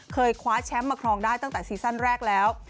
คว้าแชมป์มาครองได้ตั้งแต่ซีซั่นแรกแล้ว